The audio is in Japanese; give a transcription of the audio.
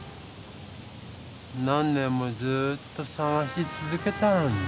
何年もずっとさがしつづけたのにな。